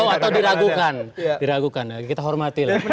atau diragukan kita hormatilah